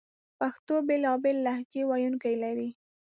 پښتو بېلابېل لهجې ویونکې لري